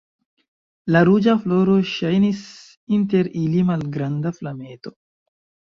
La ruĝa floro ŝajnis inter ili malgranda flameto.